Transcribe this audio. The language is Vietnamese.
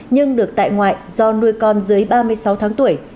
nhưng được tại ngoại do nuôi con dưới ba mươi sáu tháng tuổi